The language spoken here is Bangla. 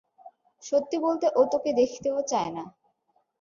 সত্যি বলতে ও তোকে দেখতেও চায় না।